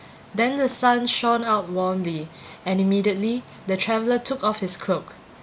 Then the Sun shined out warmly, and immediately the traveler took off his cloak.